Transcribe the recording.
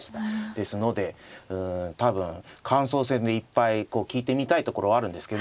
ですので多分感想戦でいっぱい聞いてみたいところはあるんですけど。